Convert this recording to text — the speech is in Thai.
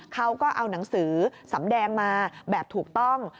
เขาก็เอาหนังสือสำแดงมาแบบถูกต้อง